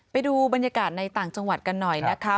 ไปดูบรรยากาศในต่างจังหวัดกันหน่อยนะคะ